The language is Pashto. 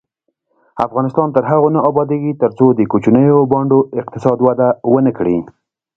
افغانستان تر هغو نه ابادیږي، ترڅو د کوچنیو بانډو اقتصاد وده ونه کړي.